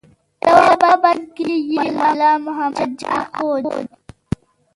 په یوه بند کې یې ملا محمد جان اخوند.